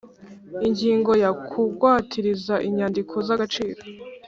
Ingingo ya Kugwatiriza inyandiko z agaciro